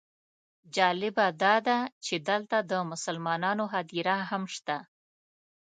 جالبه داده چې دلته د مسلمانانو هدیره هم شته.